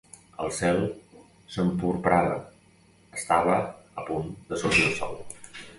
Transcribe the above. El cel s'emporprava: estava a punt de sortir el sol.